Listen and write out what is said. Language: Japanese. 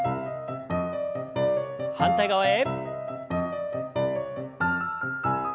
反対側へ。